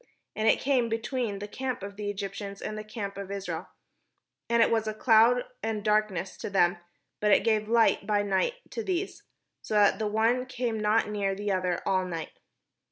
And it came between the camp of the Eg}'ptians and the camp of Israel; and it was a cloud and darkness to them, but it gave Hght by night to these; so that the one came not near the other all the night.